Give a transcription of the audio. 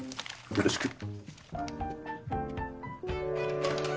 よろしく。